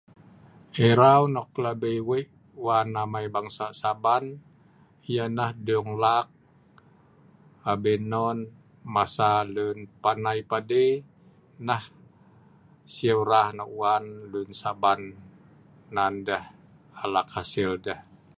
Erau nok plabi wik wan amai bangsa Saban yeh neh dung laa'k, abin non, masa lun panai padi, neh siu hrah lun wan Saban, nan deh alak hasil deh